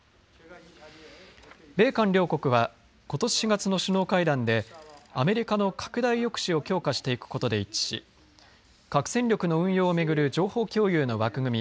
米韓両国はことし４月の首脳会談でアメリカの拡大抑止を強化していくことで一致し核戦力の運用を巡る情報共有の枠組み